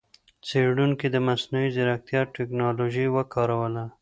څېړونکو د مصنوعي ځېرکتیا ټکنالوجۍ وکاروله.